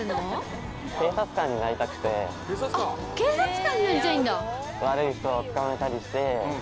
あっ警察官になりたいんだ。